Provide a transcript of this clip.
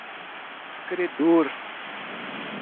credor